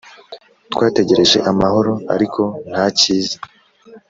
Twategereje amahoro ariko nta cyiza